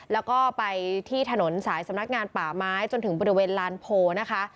แล้วก็ไปที่ถนนสายสำนักงานป่าไม้จนถึงบริเวณลานโพนะคะ